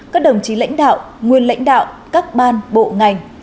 các đồng chí lãnh đạo nguyên lãnh đạo các ban bộ ngành